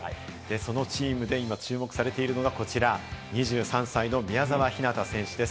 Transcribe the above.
そのチームで今注目されているのが、こちら２３歳の宮澤ひなた選手です。